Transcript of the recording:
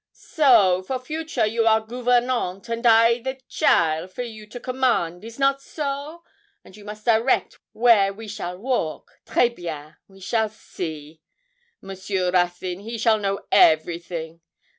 'So, for future you are gouvernante and I the cheaile for you to command is not so? and you must direct where we shall walk. Très bien! we shall see; Monsieur Ruthyn he shall know everything.